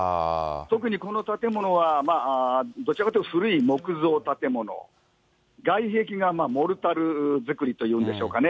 特にこの建物は、どちらかというと古い木造建物、外壁がモルタル造りというんでしょうかね。